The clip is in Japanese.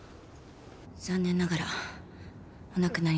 残念ながらお亡くなりになりました。